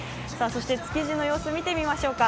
築地の様子、見てみましょうか。